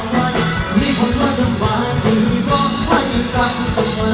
ใช่ครับไปให้ถึงที่เลย